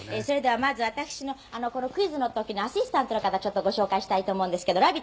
「それではまず私のクイズの時のアシスタントの方ちょっとご紹介したいと思うんですけど」